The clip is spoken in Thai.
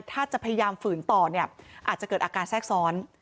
ถ้าจะพยายามฝืนต่อเนี่ยอาจจะเกิดอาการแทรกซ้อน